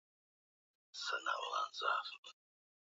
Barakoa ziachiwe wale wanaozihitaji